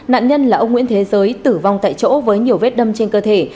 nạn nhân là ông nguyễn thế giới tử vong tại chỗ với nhiều vết đâm trên cơ thể